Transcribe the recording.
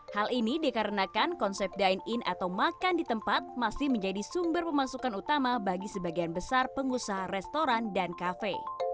hal ini dikarenakan konsep dine in atau makan di tempat masih menjadi sumber pemasukan utama bagi sebagian besar pengusaha restoran dan kafe